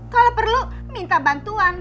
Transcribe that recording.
kalau perlu minta bantuan